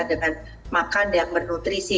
dengan makan dan bernutrisi